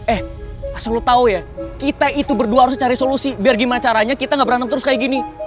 eh selalu tahu ya kita itu berdua harus cari solusi biar gimana caranya kita gak berantem terus kayak gini